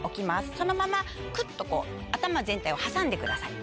そのままくっと頭全体を挟んでください。